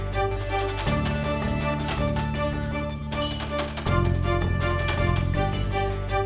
terima kasih pak